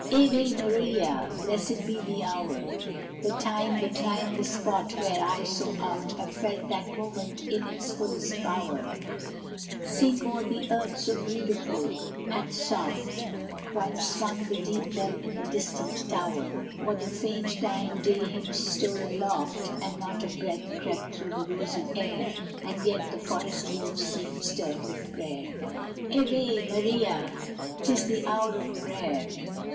Ave Maria! blessed be the hour, The time, the clime, the spot, where I so oft Have felt that moment in its fullest power Sink o'er the earth so beautiful and soft, While swung the deep bell in the distant tower, Or the faint dying day hymn stole aloft, And not a breath crept through the rosy air, And yet the forest leaves seemed stirred with prayer. Ave Maria! 'tis the hour of prayer!